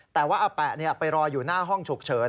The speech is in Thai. แต่ว่าอาแปะไปรออยู่หน้าห้องฉุกเฉิน